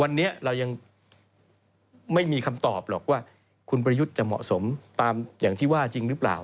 วันนี้เรายังไม่มีคำตอบหรอกว่าคุณประยุทธ์จะเหมาะสมตามอย่างที่ว่าจริงหรือเปล่า